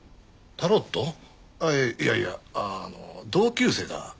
ああいやいやあの同級生だ。